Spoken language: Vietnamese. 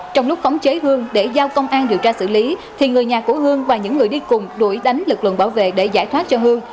trong lúc khống chế hương để giao công an điều tra xử lý thì người nhà của hương và những người đi cùng đổi đánh lực lượng bảo vệ để giải thoát cho hương